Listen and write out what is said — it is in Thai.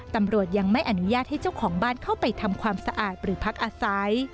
ตำรวจยังไม่อนุญาตให้เจ้าของบ้านเข้าไปทำความสะอาดหรือพักอาศัย